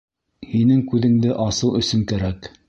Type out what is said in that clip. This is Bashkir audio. Һинең күҙеңде асыу өсөн кәрәк.